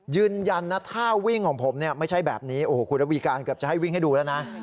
ยืนยันนะท่าวิ่งของผมเนี่ยไม่ใช่แบบนี้โอ้โหคุณระวีการเกือบจะให้วิ่งให้ดูแล้วนะ